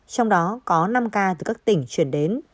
trong đó có năm ca từ các tỉnh chuyển đến